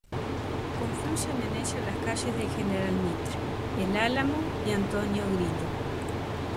Confluyen en ella las calles del General Mitre, el Álamo y Antonio Grilo.